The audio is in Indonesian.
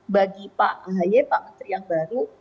bagi pak ahy pak menteri yang baru